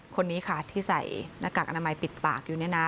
คนนี้ค่ะที่ใส่หน้ากากอนามัยปิดปากอยู่เนี่ยนะ